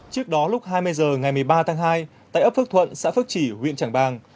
trước đó lúc hai mươi h ngày một mươi ba tháng hai tại ấp phước thuận xã phước chỉ huyện trảng bàng